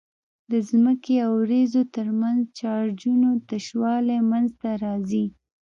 د ځمکې او وريځو ترمنځ چارجونو تشوالی منځته راځي.